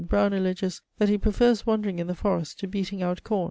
Brown alleges, that he prefers wan dering in the forests to beating out com.